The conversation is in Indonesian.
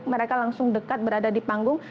mereka langsung dekat berada di panggung